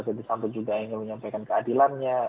jadi sampai juga ingin menyampaikan keadilannya